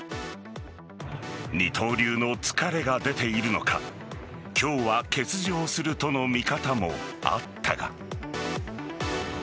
二刀流の疲れが出ているのか今日は欠場するとの見方もあったが。